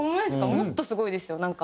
もっとすごいですよなんか。